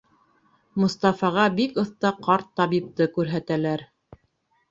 Мостафаға бик оҫта ҡарт табипты күрһәтәләр.